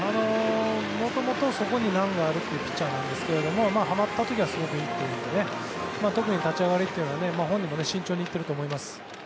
もともとそこに難があるというピッチャーなんですけどはまったときはすごくいいけど特に立ち上がりは本人も慎重にいっていると思います。